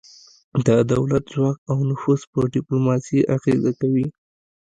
د دولت ځواک او نفوذ په ډیپلوماسي اغیزه کوي